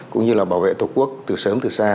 cũng như là bảo vệ tổ quốc từ sớm từ xa